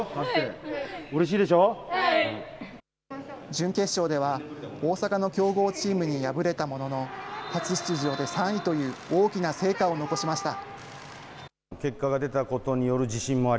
準決勝では大阪の強豪チームに敗れたものの、初出場で３位という大きな成果を残しました。